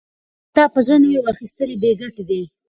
که کتاب په زړه نه وي، واخستل یې بې ګټې دی.